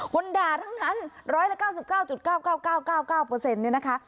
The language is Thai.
คนด่าทั้งนั้น๑๙๙๙๙๙๙นะคะ